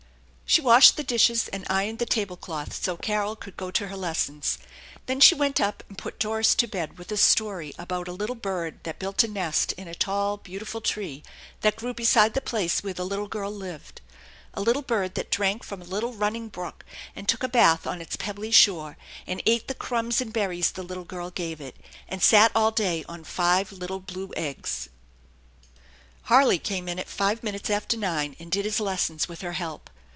She washed the dishes and ironed the table THE ENCHANTED BARN 39 cloth so Carol could go to her lessons. Then she went up and put Doris to bed with a story about a little bird that built a nest in a tall, beautiful tree that grew beside the place where the little girl lived; a little bird that drank from a little running brook, and took a bath on its pebbly shore, and ate the crumbs and berries the little girl gave it, and sat all day on five little blue eggs. Harley came in at five minutes after nine, and did his lessons with her help.